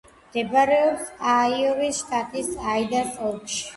მდებარეობს აიოვის შტატის აიდას ოლქში.